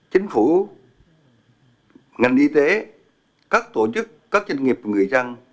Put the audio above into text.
chính phủ ngành y tế các tổ chức các doanh nghiệp người dân